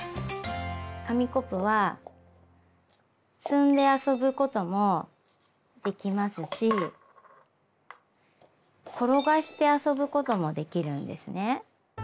紙コップは積んで遊ぶこともできますし転がして遊ぶこともできるんですね。